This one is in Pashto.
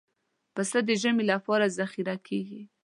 پسه د ژمي لپاره ذخیره کېږي.